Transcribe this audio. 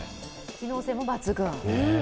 機能性も抜群。